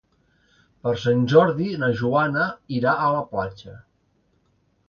Per Sant Jordi na Joana irà a la platja.